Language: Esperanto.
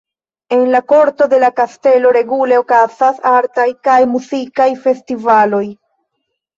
En la korto de la kastelo regule okazas artaj kaj muzikaj festivaloj.